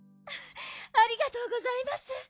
ありがとうございます。